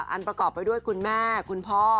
ประกอบไปด้วยคุณแม่คุณพ่อ